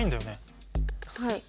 はい。